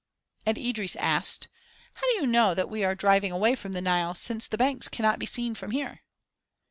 And Idris asked: "How do you know that we are driving away from the Nile, since the banks cannot be seen from here?"